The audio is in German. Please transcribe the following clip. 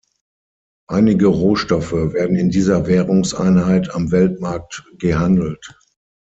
Einige Rohstoffe werden in dieser Währungseinheit am Weltmarkt gehandelt.